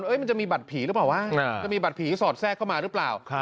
มันจะมีบัตรผีหรือเปล่าวะจะมีบัตรผีสอดแทรกเข้ามาหรือเปล่า